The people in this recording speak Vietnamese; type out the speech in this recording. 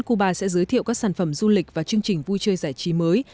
cuba sẽ giới thiệu các sản phẩm du lịch và chương trình vui chơi giải trí mới